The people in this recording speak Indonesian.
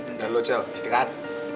ntar lu cel istirahat